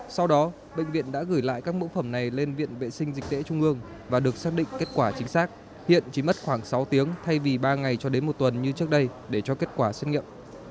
sau đó bệnh viện đã gửi lại các mẫu phẩm này lên viện vệ sinh dịch tễ trung ương và được xác định kết quả chính xác hiện chỉ mất khoảng sáu tiếng thay vì ba ngày cho đến một tuần như trước đây để cho kết quả xét nghiệm